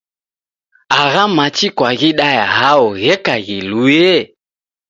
Agha machi kwaghidaya hao gheka ghilue?